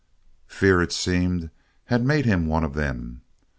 Fear, it seemed, had made him one with them.